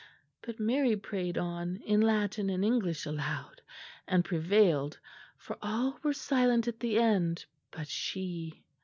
But Mary prayed on in Latin and English aloud, and prevailed, for all were silent at the end but she.